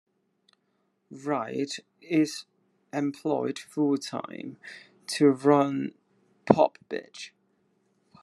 Wright is employed full-time to run Popbitch.